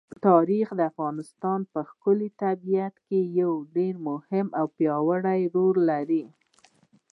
تاریخ د افغانستان په ښکلي طبیعت کې یو ډېر مهم او پیاوړی رول لري.